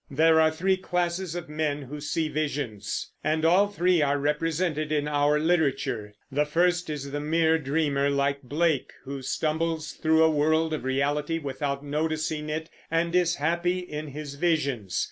There are three classes of men who see visions, and all three are represented in our literature. The first is the mere dreamer, like Blake, who stumbles through a world of reality without noticing it, and is happy in his visions.